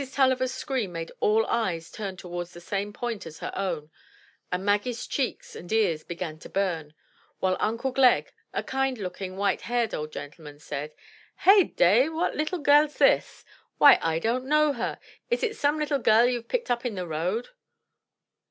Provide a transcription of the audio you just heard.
TuUiver's scream made all eyes turn towards the same point as her own, and Maggie's cheeks and ears began to bum, while uncle Glegg, a kind looking, white haired old gentleman, said: "Heyday! what little gelFs this? Why I don't know her. Is it some little gell you've picked up in the road?"